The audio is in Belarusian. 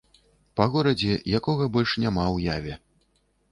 Па горадзе, якога больш няма ў яве.